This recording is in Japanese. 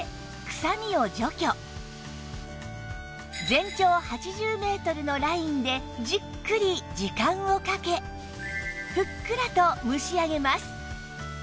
全長８０メートルのラインでじっくり時間をかけふっくらと蒸し上げます